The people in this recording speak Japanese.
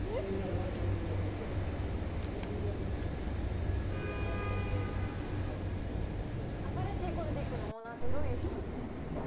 しっ新しいゴルディックのオーナーってどういう人なの？